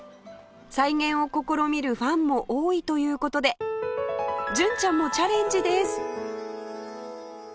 再現を試みるファンも多いという事で純ちゃんもチャレンジです！